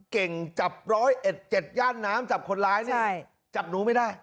เก่งจับร้อยเอ็ดเจ็ดย่านน้ำจับคนร้ายนี่จับหนูไม่ได้